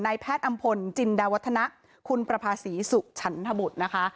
แพทย์อำพลจินดาวัฒนะคุณประภาษีสุขฉันทบุตรนะคะ